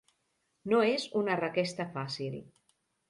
No és una requesta fàcil.